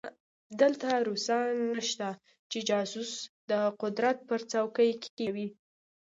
دلته روسان نشته چې جاسوس د قدرت پر څوکۍ کېنوي.